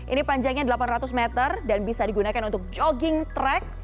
ini panjangnya delapan ratus meter dan bisa digunakan untuk jogging track